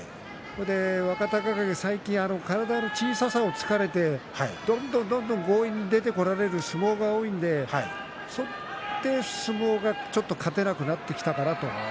若隆景、最近体の小ささを突かれてどんどんどんどん強引に出てこられる相撲も多いのでそこで相撲が勝てなくなってきたのかなと。